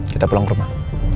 kita pulang ke rumah